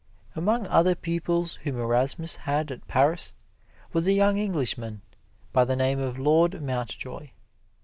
Among other pupils whom Erasmus had at Paris was a young Englishman by the name of Lord Mountjoy.